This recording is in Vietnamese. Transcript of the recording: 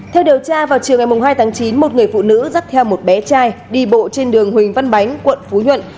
theo điều tra vào chiều ngày hai tháng chín một người phụ nữ dắt theo một bé trai đi bộ trên đường huỳnh văn bánh quận phú nhuận